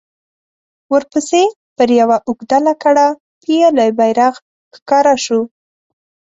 ورپسې پر يوه اوږده لکړه پېيلی بيرغ ښکاره شو.